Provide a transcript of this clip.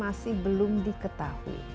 masih belum diketahui